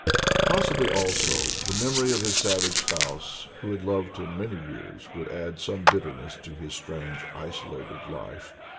Possibly also, the memory of his savage spouse who had loved him many years would add some bitterness to his strange isolated life.